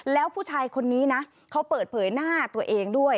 แล้วผู้ชายคนนี้นะเขาเปิดเผยหน้าตัวเองด้วย